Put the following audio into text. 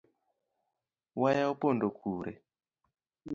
Waya opondo kure?